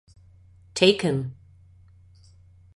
Taken.